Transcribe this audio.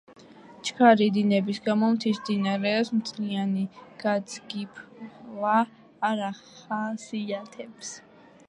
ჩქარი დინების გამო მთის მდინარეებს მთლიანი გაძგიფვა არ ახასიათებს.